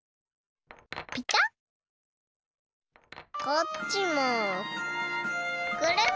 こっちもくるん。